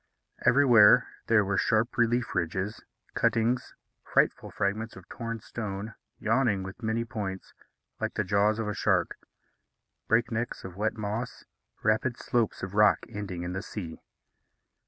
Everywhere there were sharp relief ridges, cuttings, frightful fragments of torn stone, yawning with many points, like the jaws of a shark; breaknecks of wet moss, rapid slopes of rock ending in the sea.